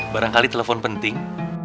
barangkali telepon penting